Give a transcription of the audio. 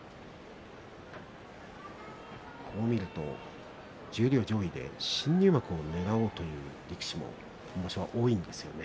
こう見ると十両上位で新入幕をねらおうという力士も今場所は多いんですよね。